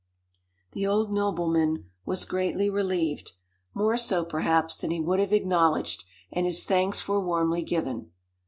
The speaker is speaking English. The old nobleman was greatly relieved, more so, perhaps, than he would have acknowledged, and his thanks were warmly given.